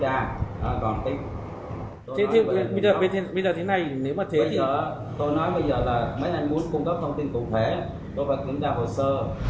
tôi nói bây giờ là mấy anh muốn cung cấp thông tin tổng thể tôi phải kiểm tra hồ sơ